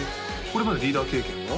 これまでリーダー経験は？